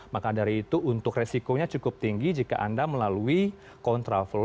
maka dari itu untuk resikonya cukup tinggi jika anda melalui kontraflow